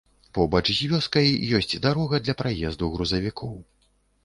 Побач з вёскай ёсць дарога для праезду грузавікоў.